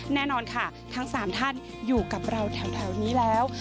แน่นอนค่ะทั้ง๓ท่านอยู่กับเราแถวนี้แล้ว